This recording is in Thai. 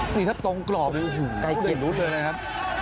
นี่ถ้าตรงกรอบอยู่อยู่เดินรุดเลยนะครับ